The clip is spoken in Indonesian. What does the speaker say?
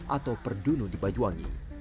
atau perdunu di banyuwangi